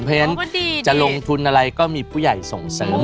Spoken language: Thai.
เพราะฉะนั้นจะลงทุนอะไรก็มีผู้ใหญ่ส่งเสริม